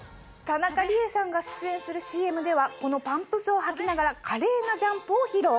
田中理恵さんが出演するＣＭではこのパンプスを履きながら華麗なジャンプを披露。